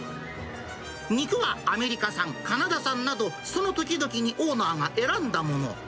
肉はアメリカ産、カナダ産など、その時々にオーナーが選んだもの。